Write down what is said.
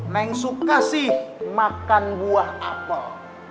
neng suka sih makan buah apel